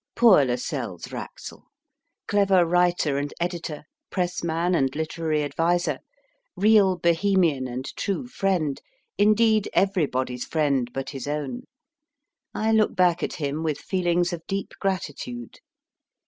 Poor Lascelles Wraxall, clever writer and editor, press man and literary adviser, real Bohemian and true friend indeed, everybody s friend but his own I look back at him with feelings of deep gratitude.